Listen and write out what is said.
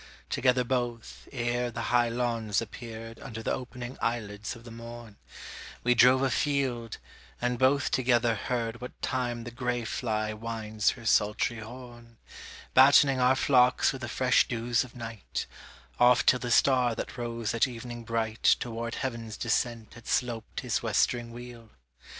Together both, ere the high lawns appeared Under the opening eyelids of the morn, We drove a field, and both together heard What time the gray fly winds her sultry horn, Battening our flocks with the fresh dews of night, Oft till the star that rose at evening bright Toward heaven's descent had sloped his westering wheel.